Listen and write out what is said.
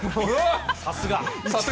さすが。